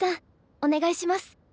お願いします。